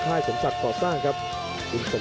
พยุกหมัดของทางด้านยุทธพคลอน